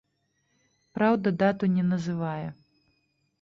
Праўда, дату не называе.